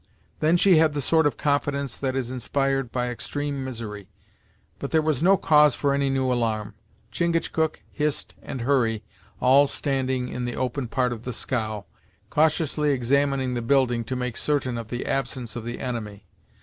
Then she had the sort of confidence that is inspired by extreme misery. But there was no cause for any new alarm, Chingachgook, Hist, and Hurry all standing in the open part of the scow, cautiously examining the building to make certain of the absence of the enemy.